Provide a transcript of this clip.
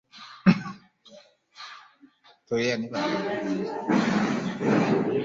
wa jamii ya asili ya Quechua anarejea tena na kueleza